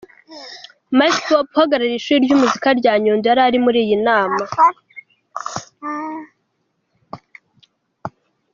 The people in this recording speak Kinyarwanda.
Might Popo uhagarariye ishuri ry'umuziki rya Nyundo yari ari muri iyi nama.